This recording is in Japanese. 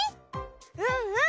うんうん！